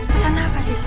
pesan apa sih